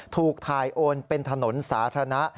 ถูกถ่ายโอนเป็นถนนสาธารณะ